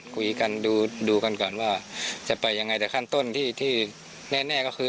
คุยกันดูกันก่อนว่าจะไปยังไงแต่ขั้นต้นที่แน่ก็คือ